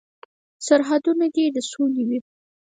سرحدونه دې د سولې وي.